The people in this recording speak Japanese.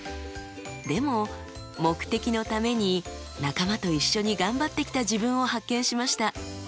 でも目的のために仲間と一緒に頑張ってきた自分を発見しました。